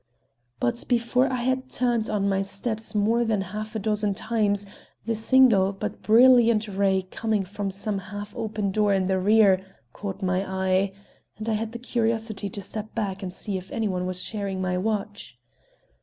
But before I had turned on my steps more than half a dozen times, the single but brilliant ray coming from some half open door in the rear caught my eye, and I had the curiosity to step back and see if any one was sharing my watch.